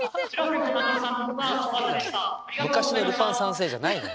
昔の「ルパン三世」じゃないのよ。